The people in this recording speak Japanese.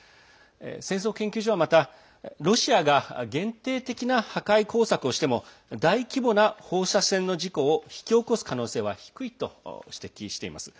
戦争研究所は、またロシアが限定的な破壊工作をしても大規模な放射線の事故を引き起こす可能性は低いと指摘しています。